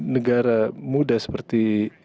negara muda seperti